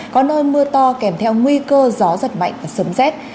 có nơi mưa to kèm theo nguy cơ gió giật mạnh và sớm rét